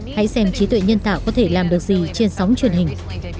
hãy xem trí tuệ nhân tạo có thể làm được gì trên sóng truyền hình